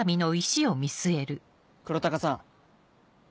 黒鷹さん。